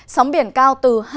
sống biển cao từ hai